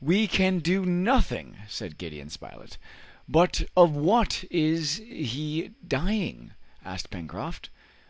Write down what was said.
"We can do nothing," said Gideon Spilett. "But of what is he dying?" asked Pencroft.